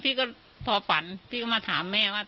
พี่ก็พอฝันพี่ก็มาถามแม่ว่า